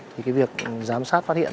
thì việc giám sát phát hiện